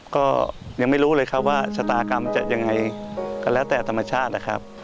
ก็ยังไม่รู้เลยครับว่าชะตากรรมจะยังไงก็แล้วแต่ธรรมชาตินะครับ